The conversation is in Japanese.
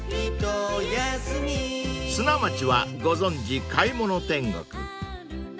［砂町はご存じ買い物天国］